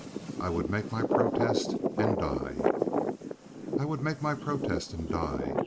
I would make my protest and die. I would make my protest and die.